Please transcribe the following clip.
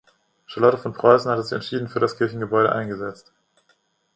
Charlotte von Preußen hatte sich entschieden für das Kirchengebäude eingesetzt.